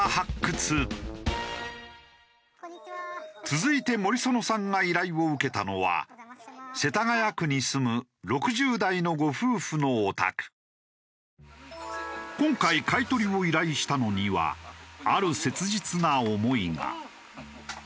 続いて森園さんが依頼を受けたのは世田谷区に住む今回買い取りを依頼したのにはある切実な思いが。